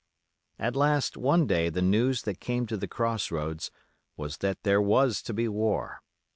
At last one day the news that came to the Cross roads was that there was to be war.